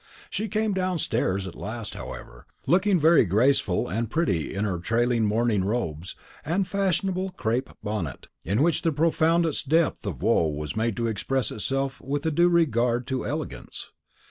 She came downstairs at last, however, looking very graceful and pretty in her trailing mourning robes and fashionable crape bonnet, in which the profoundest depth of woe was made to express itself with a due regard to elegance.